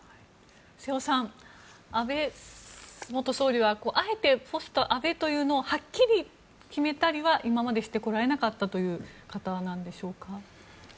瀬尾さん、安倍元総理はあえてポスト安倍というのをはっきり決めたりは今までしてこられなかったという方なんでしょうか。